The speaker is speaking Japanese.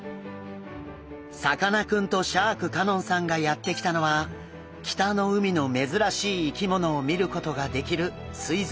さかなクンとシャーク香音さんがやって来たのは北の海の珍しい生き物を見ることができる水族館。